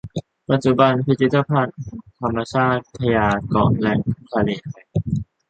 ปัจจุบันพิพิธภัณฑ์ธรรมชาติวิทยาเกาะและทะเลไทย